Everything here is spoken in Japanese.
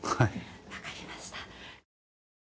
分かりました。